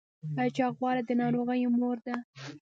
چاغوالی د ناروغیو مور ده